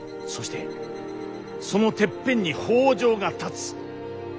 そしてそのてっぺんに北条が立つ。